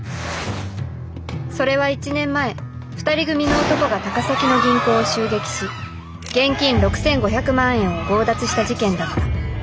それは１年前２人組の男が高崎の銀行を襲撃し現金６，５００万円を強奪した事件だった。